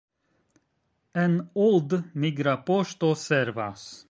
En Old migra poŝto servas.